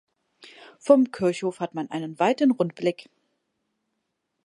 Vom Kirchhof hat man einen weiten Rundblick.